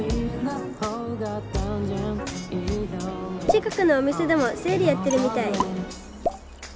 近くのお店でもセールやってるみたい！